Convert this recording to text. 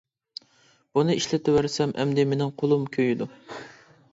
بۇنى ئىشلىتىۋەرسەم ئەمدى مېنىڭ قولۇم كۆيىدۇ.